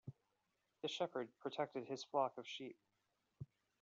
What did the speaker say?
The shepherd protected his flock of sheep.